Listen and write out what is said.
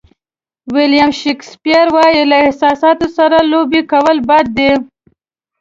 ویلیام شکسپیر وایي له احساساتو سره لوبې کول بد دي.